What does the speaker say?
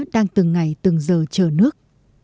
đang từng ngày từng giờ chờ nước